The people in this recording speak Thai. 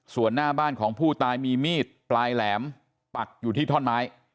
ส่วนหน้าบ้านของผู้ตายมีมีดปลายแหลมปักอยู่ที่ท่อนไม้